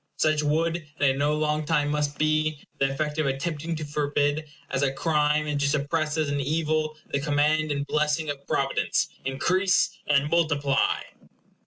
Such would, and in no long time must be, the effect of attempting to forbid as a crime and to suppress as an evil the command and blessing of providence, INCREASE AND MULTIPLY.